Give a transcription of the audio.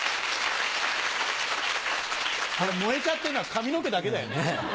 燃えちゃってんのは髪の毛だけだよね。